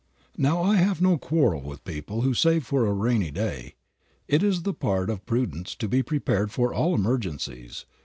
Now, I have no quarrel with people who save for a rainy day. It is the part of prudence to be prepared for all emergencies.